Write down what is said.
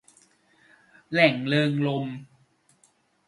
แหล่งเริงรมย์